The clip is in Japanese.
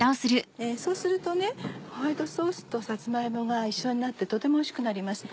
そうするとホワイトソースとさつま芋が一緒になってとてもおいしくなります。